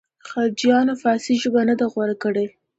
خلجیانو فارسي ژبه نه ده غوره کړې.